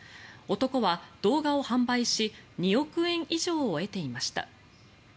男は動画を販売し２億円以上を得ていました。